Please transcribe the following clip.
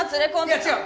いや違う。